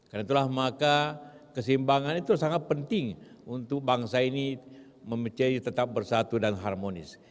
karena itulah maka keseimbangan itu sangat penting untuk bangsa ini tetap bersatu dan harmonis